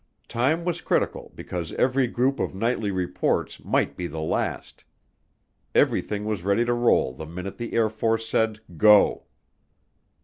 Time was critical because every group of nightly reports might be the last. Everything was ready to roll the minute the Air Force said "Go."